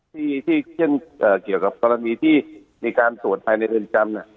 ที่เกี่ยวกับตรธรรมีที่มีการตรวจพายในฤอิษราม